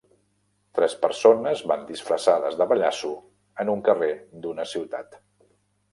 tres persones van disfressades de pallasso en un carrer d'una ciutat.